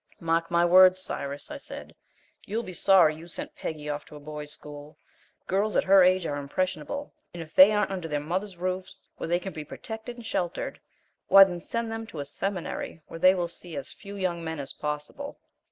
"Mark my words, Cyrus," I said. "You'll be sorry you sent Peggy off to a boys' school. Girls at her age are impressionable, and if they aren't under their mothers' roofs, where they can be protected and sheltered, why, then send them to a seminary where they will see as few young men as possible."